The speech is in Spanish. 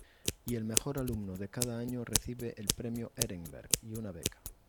Y el mejor alumno de cada año recibe el "Premio Ehrenberg" y una beca.